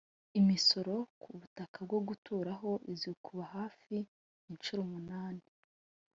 imisoro ku butaka bwo guturaho izikuba hafi inshuro umunani